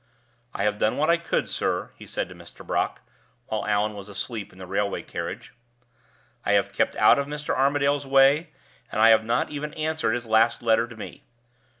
"I have done what I could, sir," he said to Mr. Brock, while Allan was asleep in the railway carriage. "I have kept out of Mr. Armadale's way, and I have not even answered his last letter to me.